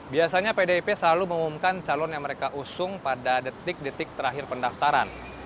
biasanya pdip selalu mengumumkan calon yang mereka usung pada detik detik terakhir pendaftaran